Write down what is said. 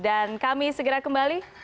dan kami segera kembali